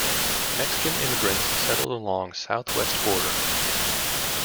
Mexican immigrants settled along South-west border.